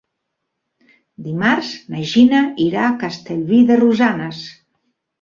Dimarts na Gina irà a Castellví de Rosanes.